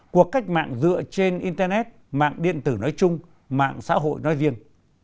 cuộc cách mạng dựa trên internet mạng điện tử nói chung mạng xã hội nói riêng